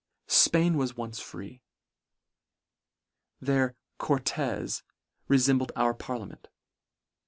Spain was once free. Their Cortes refem bled our parliament.